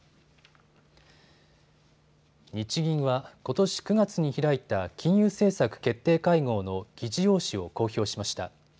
日銀は、ことし９月に開いた金融政策決定会合の議事要旨を公表しました。